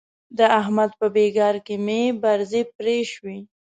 د احمد په بېګار کې مې برځې پرې شوې.